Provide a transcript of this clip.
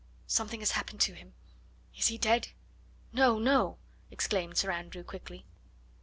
Something has happened to him! He is dead?" "No, no!" exclaimed Sir Andrew quickly.